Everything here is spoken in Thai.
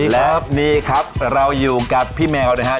แล้วนี่ครับเราอยู่กับพี่แมวนะครับ